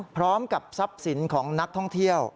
พร้อมกับทรัพย์สินของนักท่องเที่ยว